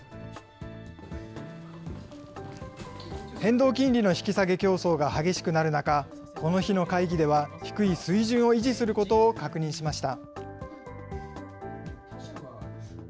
変動金利の引き下げ競争が激しくなる中、この日の会議では、低い水準を維持することを確認しました。